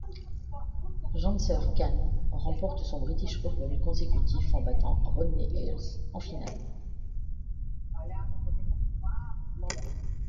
Jansher Khan remporte son British Open consécutif en battant Rodney Eyles en finale.